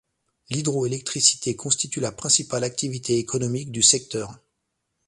L’hydroélectricité constitue la principale activité économique du secteur.